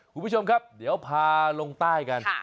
คุณผู้ชมครับเดี๋ยวพาลงใต้กัน